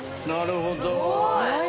なるほど！